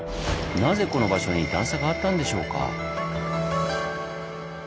なぜこの場所に段差があったんでしょうか？